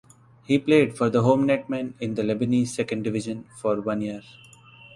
He played for Homenetmen in the Lebanese Second Division for one year.